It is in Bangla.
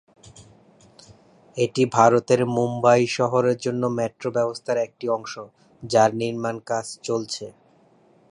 এটি ভারতের মুম্বই শহরের জন্য মেট্রো ব্যবস্থার একটি অংশ, যার নির্মাণ কাজ চলছে।